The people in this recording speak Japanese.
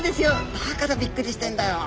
「だからびっくりしてんだよ」。